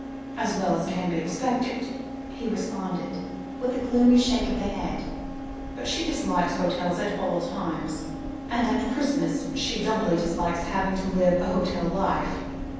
"As well as can be expected," he responded, with a gloomy shake of the head, "but she dislikes hotels at all times, and at Christmas she doubly dislikes having to live a hotel life.